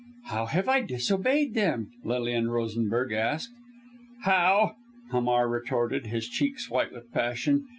"How have I disobeyed them?" Lilian Rosenberg asked. "How!" Hamar retorted, his cheeks white with passion.